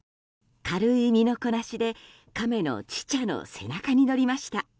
軽い身のこなしでカメのチチャの背中に乗りました。